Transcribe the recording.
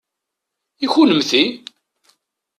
I kunemti?